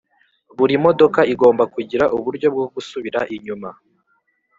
Buri modoka igomba kugira uburyo bwo gusubira inyuma